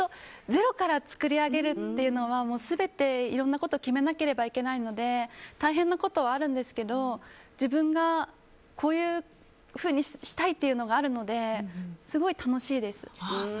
ゼロから作り上げるっていうのは全ていろんなことを決めなければいけないので大変なことはあるんですけど自分がこういうふうにしたいというのがあるのですごい楽しいです。